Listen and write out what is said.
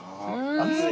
熱い？